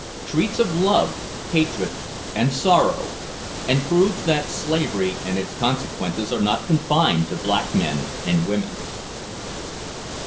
TREATS OF LOVE, HATRED, AND SORROW, AND PROVES THAT SLAVERY AND ITS CONSEQUENCES ARE NOT CONFINED TO BLACK MEN AND WOMEN.